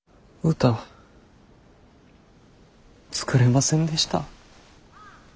歌作れませんでした。